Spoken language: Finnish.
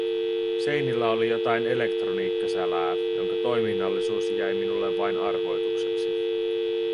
Seinillä oli jotain elektroniikkasälää, jonka toiminnallisuus jäi minulle vain arvoitukseksi.